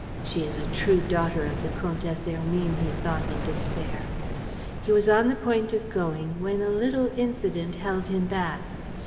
"She is a true daughter of the Comtesse Hermine," he thought, in despair. He was on the point of going, when a little incident held him back.